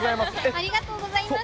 ありがとうございます。